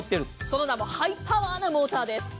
その名もハイパワーなモーターです。